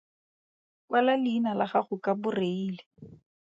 Kwala leina la gago ka Boreile.